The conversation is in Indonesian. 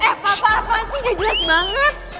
eh papa apaan sih gak jelas banget